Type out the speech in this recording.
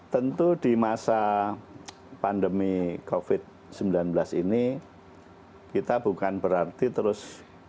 tentu di masa pandemi covid sembilan belas ini kita bukan berarti terus